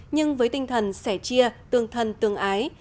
nhưng với tinh thần sẻ chia tương thân tương ái